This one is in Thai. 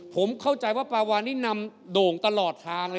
ผมเข้าใจว่าปาวานี่นำโด่งตลอดทางเลย